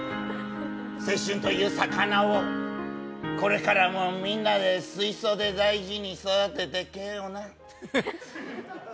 青春という魚をこれからもみんなで水槽で大事に育てていけよな。